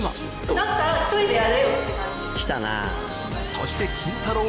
そしてキンタロー。